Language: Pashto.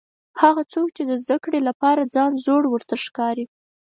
هغه څوک چې د زده کړې لپاره ځان زوړ ورته ښکاري.